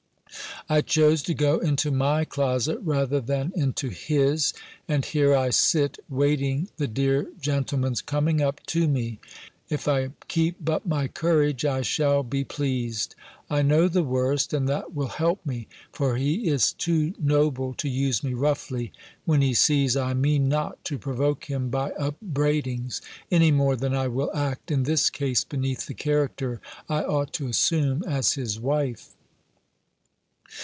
I chose to go into my closet rather than into his; and here I sit, waiting the dear gentleman's coming up to me. If I keep but my courage, I shall be pleased. I know the worst, and that will help me; for he is too noble to use me roughly, when he sees I mean not to provoke him by upbraidings, any more than I will act, in this case, beneath the character I ought to assume as his wife.